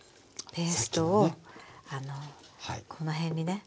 ペーストをあのこの辺にね。